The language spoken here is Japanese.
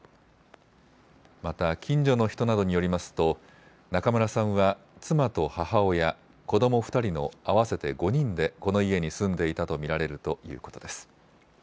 また近所の人などによりますと中村さんは妻と母親、子ども２人の合わせて５人でこの家に住んでいたと見られるということです。